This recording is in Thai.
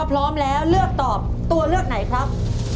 พร้อมแล้วเลือกตอบตัวเลือกไหนครับ